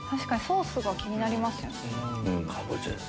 ソースが気になりますよね。